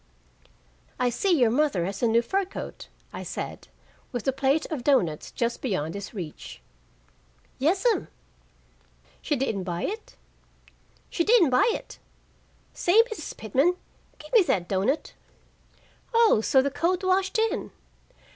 "I see your mother has a new fur coat," I said, with the plate of doughnuts just beyond his reach. "Yes'm." "She didn't buy it?" "She didn't buy it. Say, Mrs. Pitman, gimme that doughnut." "Oh, so the coat washed in!"